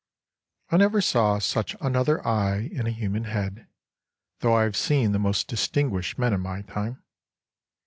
I never saw such another eye in a human head, though I have seen the most distinguished men in my time.